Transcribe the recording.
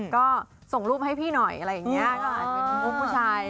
ก็ส่งรูปให้พี่หน่อยอะไรอย่างนี้ก็อาจจะเป็นรูปผู้ชาย